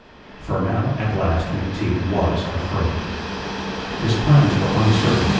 For now at last McTeague was afraid. His plans were uncertain.